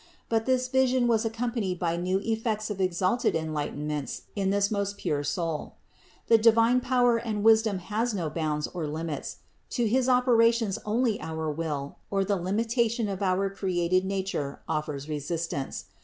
But this vision was accompanied by new effects of exalted enlightenments in this most pure Soul. The divine power and wisdom has no bounds or limits; to his operations only our will, or the limitation of our created nature, offers resistance.